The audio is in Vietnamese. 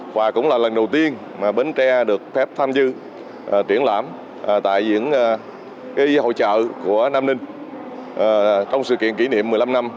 và cũng là lần đầu tiên bến tre được phép tham dự triển lãm tại diễn hội trợ của nam ninh trong sự kiện kỷ niệm một mươi năm năm